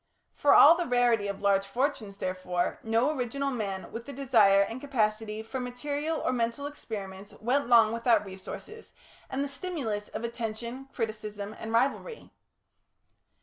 For all the rarity of large fortunes, therefore, no original man with the desire and capacity for material or mental experiments went long without resources and the stimulus of attention, criticism, and rivalry.